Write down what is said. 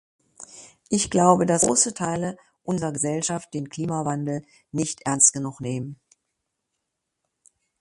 Ich glaube das große Teile unser Gesellschaft den Klimawandel nicht ernst genug nehmen.